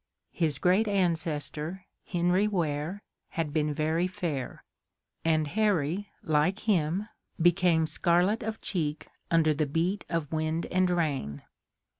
His great ancestor, Henry Ware, had been very fair, and Harry, like him, became scarlet of cheek under the beat of wind and rain.